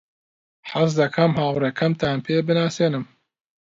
حەز دەکەم هاوڕێکەمتان پێ بناسێنم.